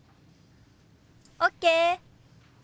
ＯＫ！